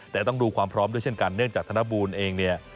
แต่ต้องดูความพร้อมด้วยเช่นกันเนื่องจากธนบูลเองเนี่ย